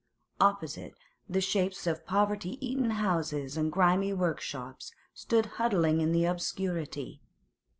Opposite, the shapes of poverty eaten houses and grimy workshops stood huddling in the obscurity.